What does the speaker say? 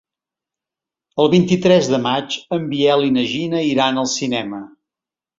El vint-i-tres de maig en Biel i na Gina iran al cinema.